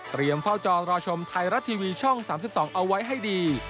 เฝ้าจองรอชมไทยรัฐทีวีช่อง๓๒เอาไว้ให้ดี